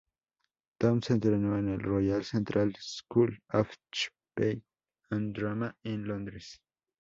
Tom se entrenó en el "Royal Central School of Speech and Drama" en Londres.